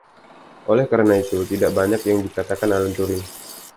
Oleh karena itu, tidak banyak yang dikatakan Alan Turing.